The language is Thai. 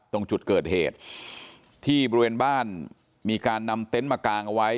ตรงจุดเกิดเหตุที่บริเวณบ้านมีการนำเต็นต์มากางเอาไว้